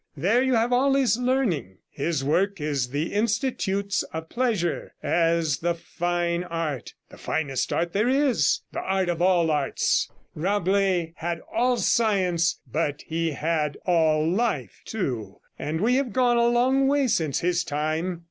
There you have all his learning; his work is the institutes of pleasure as the fine art; the finest art there is; the art of all arts. Rabelais had all science, but he had all I life too. And we have gone a long way since his time.